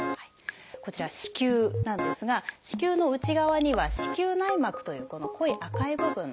こちら「子宮」なんですが子宮の内側には「子宮内膜」というこの濃い赤い部分の膜があります。